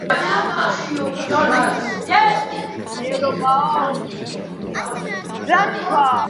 ბოლო დროს ვითარდება ტურიზმი.